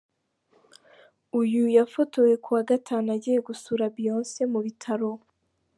Uyu yafotowe kuwa Gatanu agiye gusura Beyonce mu bitaro.